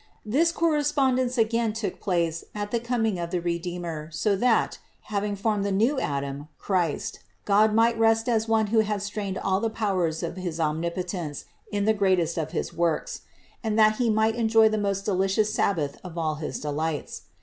This correspondence again took place at the coming of the Redeemer so that, having formed the new Adam, Christ, God might rest as one who had strained all the powers of his Omnipotence in the greatest of his works; and that He might enjoy the most delicious Sabbath of all his delights.